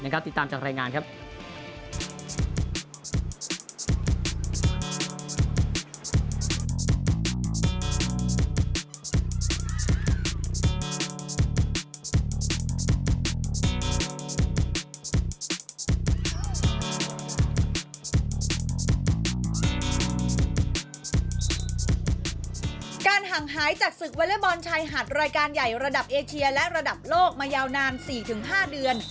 การห่างหายจากศึกเวลบอลไทยหัดรายการใหญ่ระดับเอเชียและระดับโลกมายาวนาน๔๕เดือน